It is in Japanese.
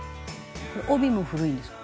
帯も古いんですか？